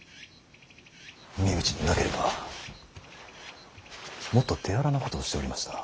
身内でなければもっと手荒なことをしておりました。